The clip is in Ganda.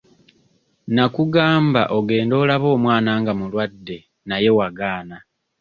Nnakugamba ogende olabe omwana nga mulwadde naye wagaana.